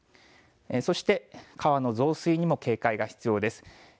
そして、川の増水にも警戒が必要です。